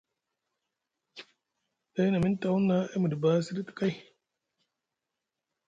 Ɗay na miŋ tawuna e miɗiɗi ɓa e siɗiti kay.